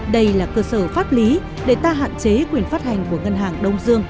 đây là cơ sở pháp lý để ta hạn chế quyền phát hành của ngân hàng đông dương